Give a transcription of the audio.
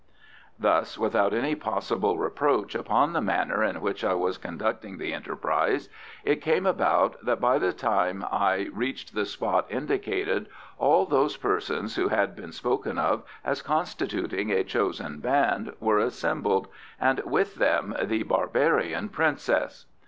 Thus, without any possible reproach upon the manner in which I was conducting the enterprise, it came about that by the time I reached the spot indicated, all those persons who had been spoken of as constituting a chosen band were assembled, and with them the barbarian princess.